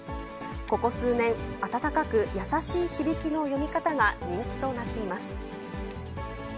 ここ数年、温かく優しい響きの読み方が人気となっています。